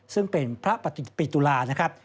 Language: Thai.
ซึ่งเป็นพระปฏิตุลานะครับ